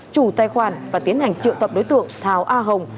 chủ tài khoản và tiến hành triệu tập đối tượng tháo a hồng